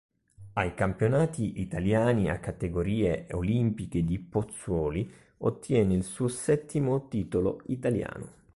Ai Campionati Italiani a categorie olimpiche di Pozzuoli ottiene il suo settimo titolo italiano.